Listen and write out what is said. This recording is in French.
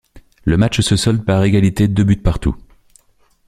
Le match se solde par une égalité deux buts partout.